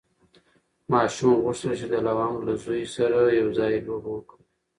ماشوم غوښتل چې د لونګ له زوی سره یو ځای لوبه وکړي.